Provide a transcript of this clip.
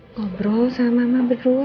ngobrol sama mama berdua